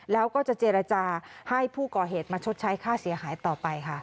แล้วก็จะเจรจาให้ผู้ก่อเหตุมาชดใช้ค่าเสียหายต่อไปค่ะ